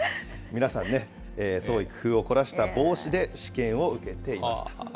皆さんね、創意工夫を凝らした帽子で試験を受けていました。